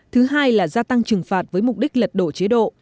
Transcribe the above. thứ hai là gia tăng trừng phạt với mục đích lật đổ chế độ